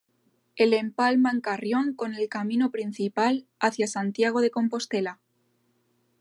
El empalma en Carrión con el camino principal hacia Santiago de Compostela.